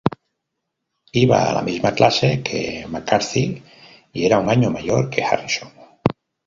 Iba a la misma clase que McCartney y era un año mayor que Harrison.